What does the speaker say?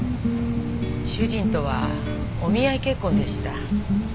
主人とはお見合い結婚でした。